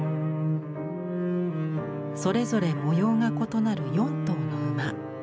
それぞれ模様が異なる４頭の馬。